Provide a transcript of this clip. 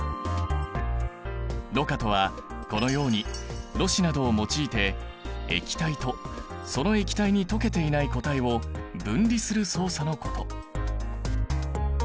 ろ過とはこのようにろ紙などを用いて液体とその液体に溶けていない固体を分離する操作のこと。